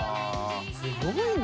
すごいな。